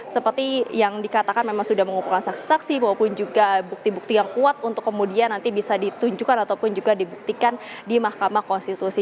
seperti yang dikatakan memang sudah mengumpulkan saksi saksi maupun juga bukti bukti yang kuat untuk kemudian nanti bisa ditunjukkan ataupun juga dibuktikan di mahkamah konstitusi